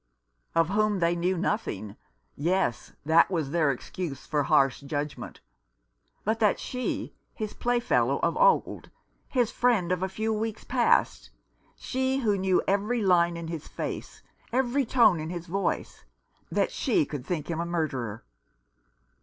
Of whom they knew nothing. Yes, that was their excuse for harsh judgment. But that she, his playfellow of old, his friend of a few weeks past, she, who knew every line in his face, every tone in his voice, that she could think him a murderer